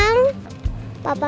aku mau ke rumah